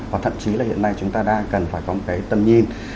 và thậm chí là hiện nay chúng ta đang cần phải có một cái tầm nhìn